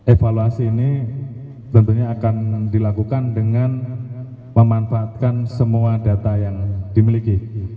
evaluasi ini tentunya akan dilakukan dengan memanfaatkan semua data yang dimiliki